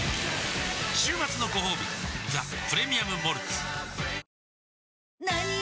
週末のごほうび「ザ・プレミアム・モルツ」